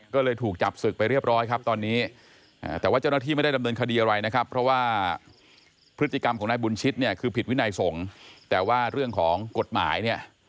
ก็เลยถูกจับศึกไปเรียบร้อยครับตอนนี้